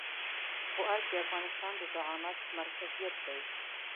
خو ارګ د افغانستان د زعامت مرکزيت دی.